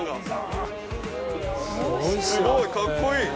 すごいかっこいい。